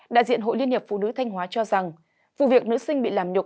đại diện hội liên hiệp phụ nữ thanh hóa cho rằng vụ việc nữ sinh bị làm nhục